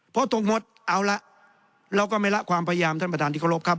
เพราะตรงหมดเอาละเราก็ไม่ละความพยายามท่านประธานที่เคารพครับ